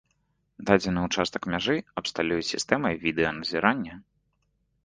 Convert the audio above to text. Дадзены ўчастак мяжы абсталююць сістэмай відэаназірання.